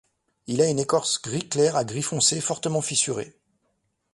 Il a une écorce gris clair à gris foncé fortement fissurée.